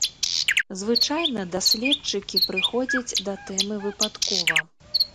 Звычайна даследчыкі прыходзяць да тэмы выпадкова.